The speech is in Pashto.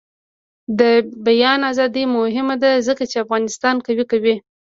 د بیان ازادي مهمه ده ځکه چې افغانستان قوي کوي.